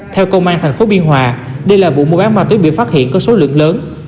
theo công an thành phố biên hòa đây là vụ mua bán ma túy bị phát hiện có số lượng lớn